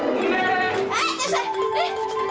mbak mbak mbak